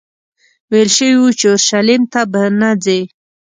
ویل شوي وو چې اورشلیم ته به نه ځې.